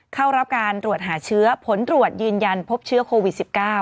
เข้ารับการตรวจหาเชื้อผลตรวจยืนยันพบเชื้อโควิด๑๙